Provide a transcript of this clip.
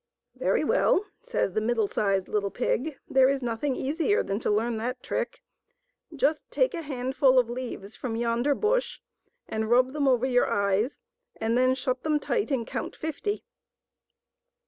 " Very well," says the middle sized little pig, " there is nothing easier than to learn that trick ! just take a handful of leaves from yonder bush and rub them over your eyes, and then shut them tight and count fifty."